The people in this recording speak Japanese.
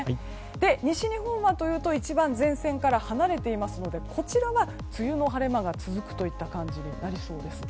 西日本は一番前線から離れていますからこちらは、梅雨の晴れ間が続くという感じになりそうです。